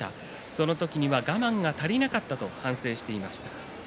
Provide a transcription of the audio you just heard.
その時には我慢が足りなかったと反省していました。